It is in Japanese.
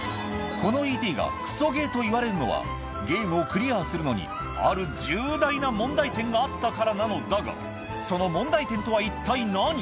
この『Ｅ．Ｔ．』がクソゲーといわれるのはゲームをクリアするのにある重大な問題点があったからなのだがその問題点とは一体何？